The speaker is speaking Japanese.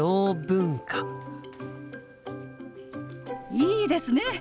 いいですね！